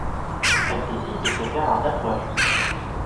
Elle décide de se faire un tatouage.